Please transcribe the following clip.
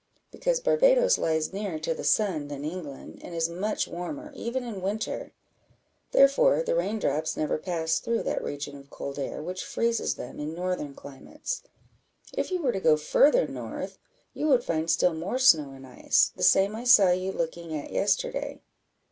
"Because Barbadoes lies nearer to the sun than England, and is much warmer, even in winter; therefore the rain drops never pass through that region of cold air which freezes them in northern climates. If you were to go farther north, you would find still more snow and ice, the same I saw you looking at yesterday.